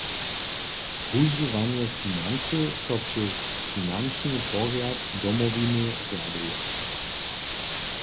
Wužiwanje financow so přez finančny porjad Domowiny rjaduje.